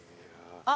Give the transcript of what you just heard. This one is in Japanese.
あっ！